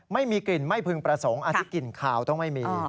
ไม่มีกลิ่นไม่พึงประสงค์อาทิตกลิ่นขาวต้องไม่มี